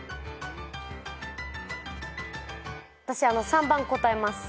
私３番答えます。